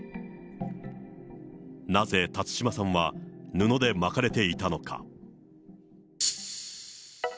なぜ辰島さんは布で巻かれていたのか。